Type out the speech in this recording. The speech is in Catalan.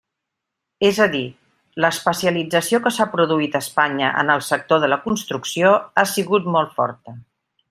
És a dir, l'especialització que s'ha produït a Espanya en el sector de la construcció ha sigut molt forta.